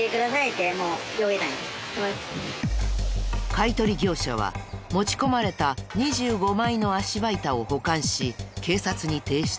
買取業者は持ち込まれた２５枚の足場板を保管し警察に提出。